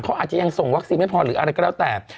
เขาอาจจะยังส่งวัคซีนไม่พอหรืออะไรก็แล้วแต่